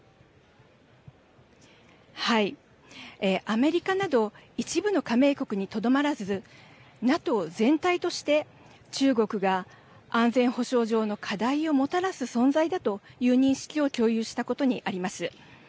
アメリカなど一部の加盟国にとどまらずＮＡＴＯ全体として中国が安全保障上の課題をもたらす存在だという認識を共有したことにあります。